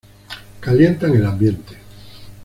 Calientan el ambiente.